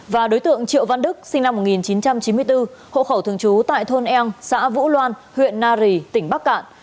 và đối tượng triệu văn đức sinh năm một nghìn chín trăm chín mươi bốn hộ khẩu thường trú tại thôn eng xã vũ loan huyện nari tỉnh bắc cạn